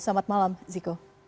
selamat malam ziko